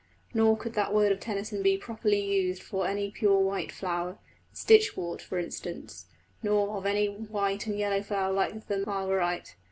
Nor could that word of Tennyson be properly used of any pure white flower the stitchwort for instance; nor of any white and yellow flower like the Marguerite.